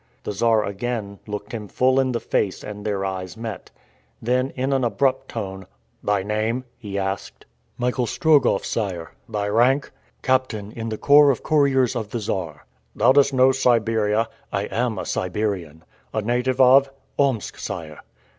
The Czar again looked him full in the face and their eyes met. Then in an abrupt tone, "Thy name?" he asked. "Michael Strogoff, sire." "Thy rank?" "Captain in the corps of couriers of the Czar." "Thou dost know Siberia?" "I am a Siberian." "A native of?" "Omsk, sire."